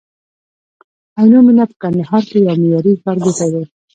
عینومېنه په کندهار کي یو معیاري ښارګوټی دی